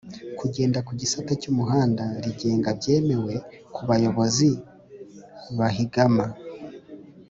Kugenda kugisate cy’umuhanda rigenga byemewe kubayobozi bahigama